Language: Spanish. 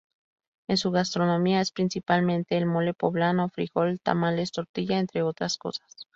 En su gastronomía es principalmente el mole poblano, frijol, tamales, tortilla, entre otras cosas.